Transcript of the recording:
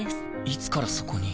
いつからそこに？